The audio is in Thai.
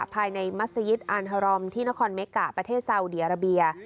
ภายในมัศยิตอันธรรมที่นครเมกะประเทศเซาเดียราเบีย